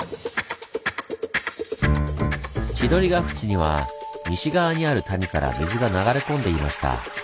千鳥ヶ淵には西側にある谷から水が流れ込んでいました。